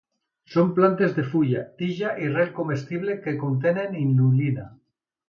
Són plantes de fulla, tija i rel comestible que contenen inulina.